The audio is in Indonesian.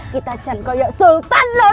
kita jantan seperti sultan